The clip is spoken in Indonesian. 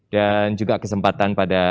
dan juga kesempatan pada